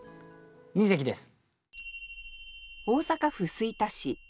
二席です。